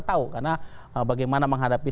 tahu karena bagaimana menghadapi